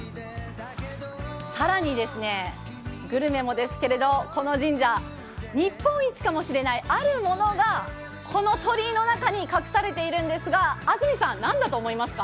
更に、グルメもですけれどこの神社日本一かもしれないあるものがこの鳥居の中に隠されているんですが、安住さん、何だと思いますか？